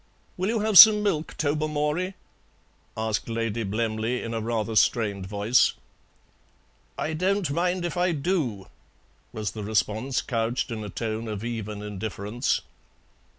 "Will you have some milk, Tobermory?" asked Lady Blemley in a rather strained voice. "I don't mind if I do," was the response, couched in a tone of even indifference.